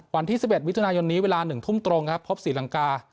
วันที่๑๑มิถุนายนนี้เวลา๑ทุ่มตรงครับพบศรีลังกา